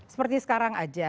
seperti sekarang aja